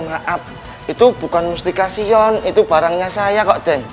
maaf itu bukan mustikasion itu barangnya saya kok den